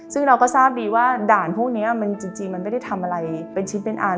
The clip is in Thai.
ซึ่งเราก็ทราบดีว่าด่านพวกนี้จริงมันไม่ได้ทำอะไรเป็นชิ้นเป็นอัน